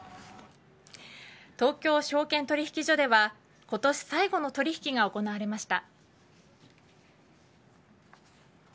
東京証券取引所では今年最後の取引が行われました。